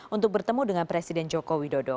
untuk bertemu dengan presiden joko widodo